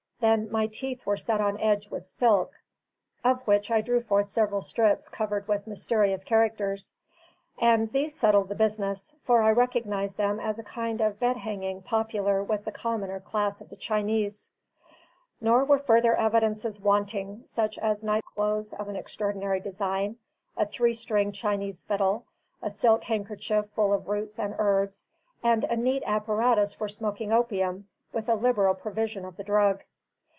Then my teeth were set on edge with silk, of which I drew forth several strips covered with mysterious characters. And these settled the business, for I recognised them as a kind of bed hanging popular with the commoner class of the Chinese. Nor were further evidences wanting, such as night clothes of an extraordinary design, a three stringed Chinese fiddle, a silk handkerchief full of roots and herbs, and a neat apparatus for smoking opium, with a liberal provision of the drug.